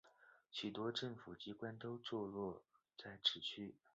许多政府机关都座落在此区。